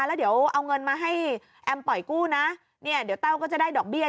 แล้วเดี๋ยวเอาเงินมาให้แอมปล่อยกู้นะเนี่ยเดี๋ยวแต้วก็จะได้ดอกเบี้ย